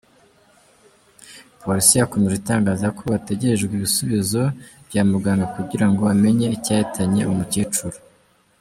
Polisi yakomje itangaza ko hategerejwe ibisubizo bya muganga kugira ngo bamenye icyahitanye uwo mukecuru.